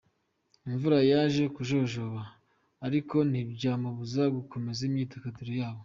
Imvura yaje kujojoba ariko ntibyababuza gukomeza imyidagaduro yabo.